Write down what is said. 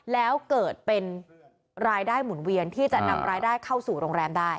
แล้วเกิดเป็นรายได้หมุนเวียนที่จะนำรายได้เข้าสู่โรงแรมได้